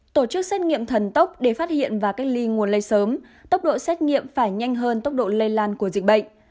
tổ chức xét nghiệm thần tốc để phát hiện và cách ly nguồn lây sớm tốc độ xét nghiệm phải nhanh hơn tốc độ lây lan của dịch bệnh